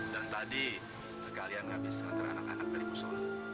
dan tadi sekalian habis sekalian anak anak berdoa